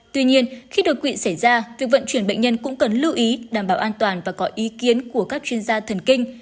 tuy nhiên khi đột quỵ xảy ra việc vận chuyển bệnh nhân cũng cần lưu ý đảm bảo an toàn và có ý kiến của các chuyên gia thần kinh